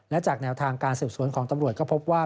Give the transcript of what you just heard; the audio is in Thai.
และจากแนวทางการสืบสวนของตำรวจก็พบว่า